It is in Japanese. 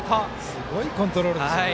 すごいコントロールですね。